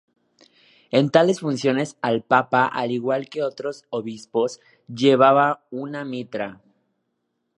En tales funciones al Papa, al igual que otros obispos, llevaba una mitra.